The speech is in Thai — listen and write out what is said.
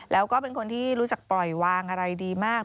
แล้วก็เป็นคนที่รู้จักปล่อยวางอะไรดีมาก